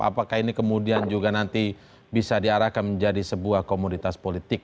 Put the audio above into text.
apakah ini kemudian juga nanti bisa diarahkan menjadi sebuah komoditas politik